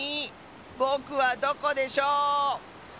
ぼくはどこでしょう？